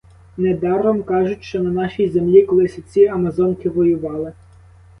Не даром кажуть, що на нашій землі колись оці амазонки воювали.